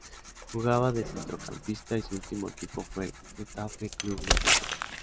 Jugaba de centrocampista y su último equipo fue el Getafe Club de Fútbol.